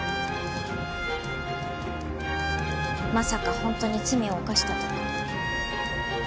まさか本当に罪を犯したとか？